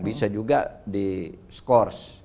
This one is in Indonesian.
bisa juga di scores